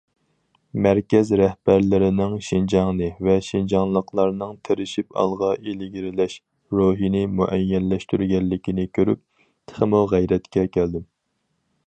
مەركەز رەھبەرلىرىنىڭ شىنجاڭنى ۋە شىنجاڭلىقلارنىڭ تىرىشىپ ئالغا ئىلگىرىلەش روھىنى مۇئەييەنلەشتۈرگەنلىكىنى كۆرۈپ، تېخىمۇ غەيرەتكە كەلدىم.